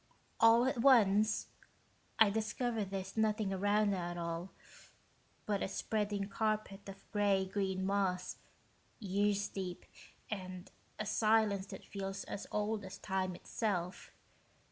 All at once, I discover there's nothing around at all but a spreading carpet of gray green moss, years deep, and a silence that feels as old as time itself.